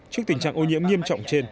trước tình trạng ô nhiễm nghiêm trọng